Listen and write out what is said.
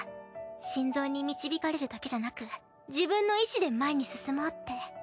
心臓に導かれるだけじゃなく自分の意志で前に進もうって。